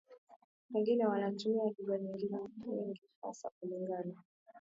wengine wanatumia lugha nyingine nyingi hasa kulingana